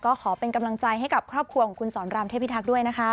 ก็ขอเป็นกำลังใจให้กับครอบครัวของคุณสอนรามเทพิทักษ์ด้วยนะคะ